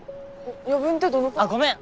余分ってどのくらい。あっごめん。